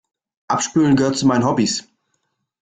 Abspülen gehört zu meinen Hobbies.